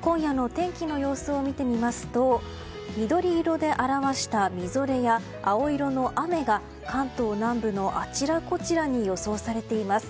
今夜の天気の様子を見てみますと緑色で表したみぞれや青色の雨が関東南部のあちらこちらに予想されています。